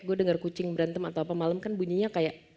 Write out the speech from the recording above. gue dengar kucing berantem atau apa malam kan bunyinya kayak